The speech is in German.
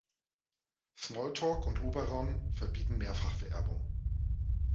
Smalltalk und Oberon verbieten Mehrfachvererbung.